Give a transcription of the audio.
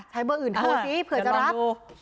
เบอร์อื่นโทรซิเผื่อจะรับ